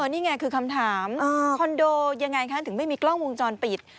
นี่ไงคือคำถามคอนโดยังไงคะถึงไม่มีกล้องวงจรปิด